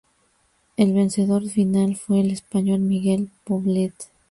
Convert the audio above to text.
El vencedor final fue el español Miguel Poblet.